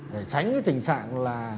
để tránh cái tình trạng